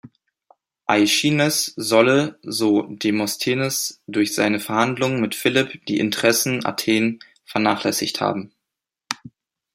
Aischines solle, so Demosthenes, durch seine Verhandlungen mit Philipp die Interessen Athen vernachlässigt haben.